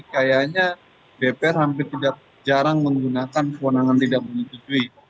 kayaknya dpr hampir tidak jarang menggunakan kewenangan tidak menyetujui